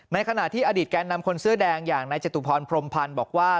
ในขณะที่อดีตแกนนำคนเสื้อแดงอย่างนายจตุพรพรมพันธ์บอกว่า